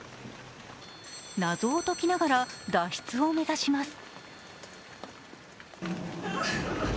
謎を解きながら脱出を目指します。